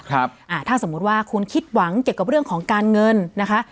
ถ้าสมมุติว่าคุณคิดหวังเกี่ยวกับเรื่องของการเงินนะคะ